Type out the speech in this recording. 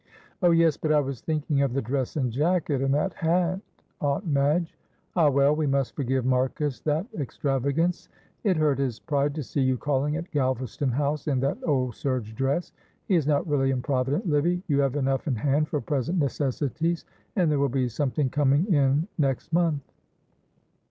"Oh, yes, but I was thinking of the dress and jacket and that hat, Aunt Madge " "Ah, well, we must forgive Marcus that extravagance! It hurt his pride to see you calling at Galvaston House in that old serge dress. He is not really improvident, Livy. You have enough in hand for present necessities, and there will be something coming in next month."